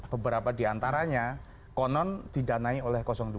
beberapa diantaranya konon didanai oleh dua